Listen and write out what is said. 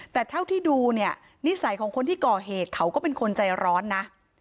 แต่เท่าที่ดูเนี่ยนิสัยของคนที่ก่อเหตุเขาก็เป็นคนใจร้อนนะ